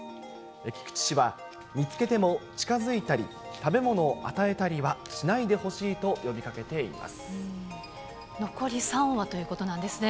菊池市は見つけても近づいたり食べ物を与えたりはしないでほしい残り３羽ということなんですね。